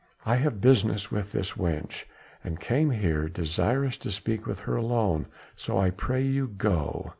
"I have business with this wench, and came here, desirous to speak with her alone, so I pray you go!